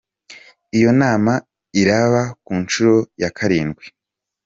Iyo nama iraba ku nshuro ya karindwi.